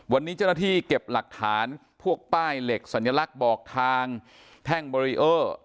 วันนี้เจ้าหน้าที่เก็บหลักฐานพวกป้ายเหล็กสัญลักษณ์บอกทางแท่งเบรีเออร์